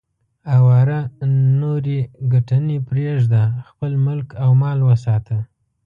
اواره نورې ګټنې پرېږده، خپل ملک او مال وساته.